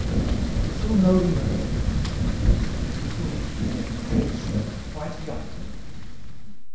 Oh! I shall know him again; he's a little thin, palish fellow, quite young."